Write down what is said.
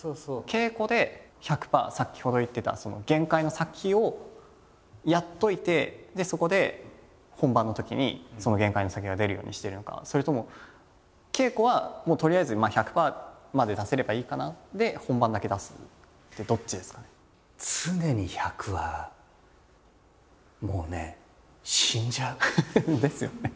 稽古で１００％先ほど言ってた限界の先をやっておいてそこで本番のときにその限界の先が出るようにしてるのかそれとも稽古はもうとりあえず１００％まで出せればいいかなで本番だけ出すってどっちですかね。ですよね。